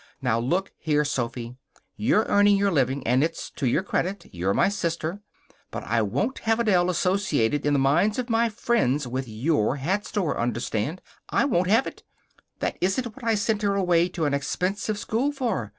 Now, look here, Sophy. You're earning your living, and it's to your credit. You're my sister. But I won't have Adele associated in the minds of my friends with your hat store, understand? I won't have it. That isn't what I sent her away to an expensive school for.